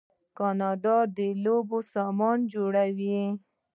کاناډا د لوبو سامان جوړوي.